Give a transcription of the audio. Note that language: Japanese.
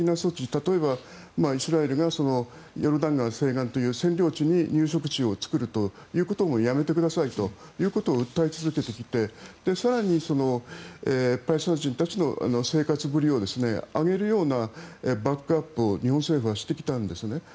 例えば、イスラエルがヨルダン川西岸という占領地に入植地を作るのをやめてくださいということを訴え続けてきて更にパレスチナ人たちの生活ぶりを上げるようなバックアップを日本政府はしてきたんですね。